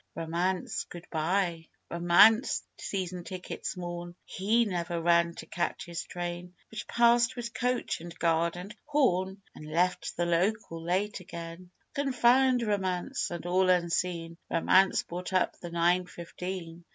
Romance, good bye!" "Romance!" the Season tickets mourn, "He never ran to catch his train, But passed with coach and guard and horn And left the local late again! Confound Romance!"... And all unseen Romance brought up the nine fifteen.